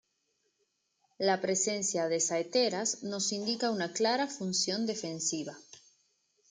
La presencia de saeteras nos indica una clara función defensiva.